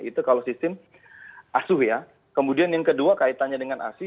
itu kalau sistem asuh ya kemudian yang kedua kaitannya dengan asi